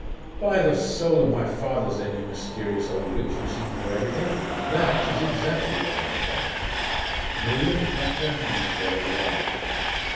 'By the soul of my fathers, then, you mysterious old witch, who seem to know everything, that is exactly what I have done.' Miriam clapped her hands together wildly.